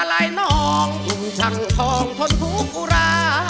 น้ำตาไหล่น้องยุ่งจังทองทดทุกขุระ